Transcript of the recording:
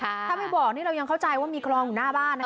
ถ้าไม่บอกนี่เรายังเข้าใจว่ามีคลองอยู่หน้าบ้านนะ